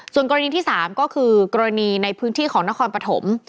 ส่วนกรณีที่๓ก็คือกรณีในพื้นที่ของนครปฐม